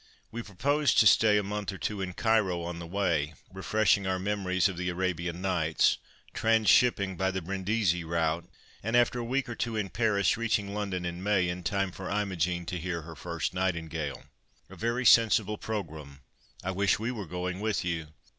"We propose to stay a month or two in Cairo on the way, refreshing our memories of the Arabian Nights; trans shipping by the Brindisi route, and after a week or two in Paris, reaching London in May, in time for Imogen to hear her first nightingale." "A very sensible programme, I wish we were going with you.